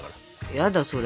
やだそれ。